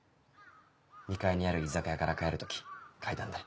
２階にある居酒屋から帰る時階段で。